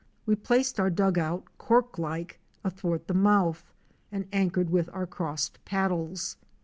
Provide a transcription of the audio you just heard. We placed our dug out corklike athwart the mouth and anchored with our crossed paddles.